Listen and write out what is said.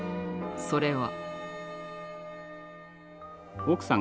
それは。